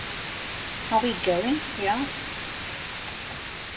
“Are we going?” he asked.